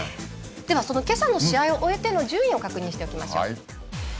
では、その今朝の試合を終えての順位を確認しましょう。